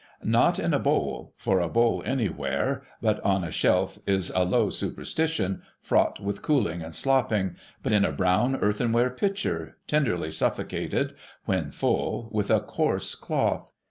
Not in a bowl ; for a bowl anywhere but on a shelf is a low superstition, fraught with cooling and slopping ; but in a brown earthenware pitcher, tenderly suffocated, when full, with a coarse cloth.